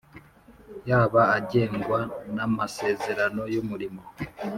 yaba agengwa na masezerano y’umurimo